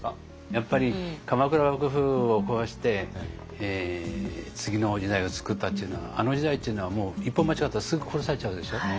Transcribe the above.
やっぱり鎌倉幕府を壊して次の時代を作ったっていうのはあの時代っていうのは一歩間違ったらすぐ殺されちゃうでしょ？